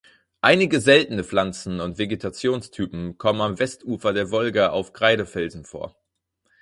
Einige seltene Pflanzen und Vegetationstypen kommen am Westufer der Wolga auf Kreidefelsen vor.